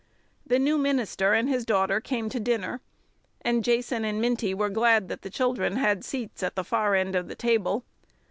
The new minister and his daughter came to dinner, and Jason and Minty were glad that the children had seats at the far end of the table.